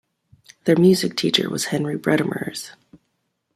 Their music teacher was Henry Bredemers.